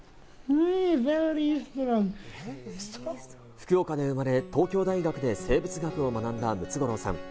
福岡で生まれ、東京大学で生物学を学んだムツゴロウさん。